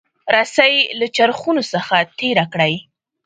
رسۍ له چرخونو څخه تیره کړئ.